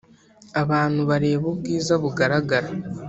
Abantu bareba ubwiza bugaragara